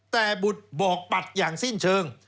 แต่บุตรบอกปัดอย่างสิ้นเชิง